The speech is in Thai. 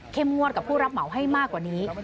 งวดกับผู้รับเหมาให้มากกว่านี้